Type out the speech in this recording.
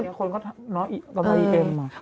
คนก็ทำกำไรอีเอมอะ